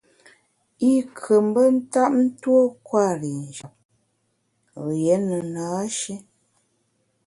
I nkù mbe ntap tuo kwer i njap, rié ne na-shi.